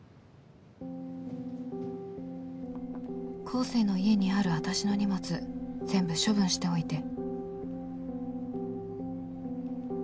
「光晴の家にあるあたしの荷物全部処分しておいて」。